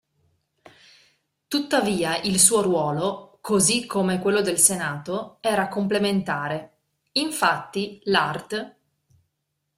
Tuttavia il suo ruolo, così come quello del Senato, era complementare; infatti l'art.